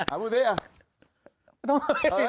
อะนี่นี่อะลอง